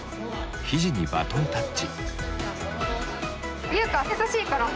ひじにバトンタッチ。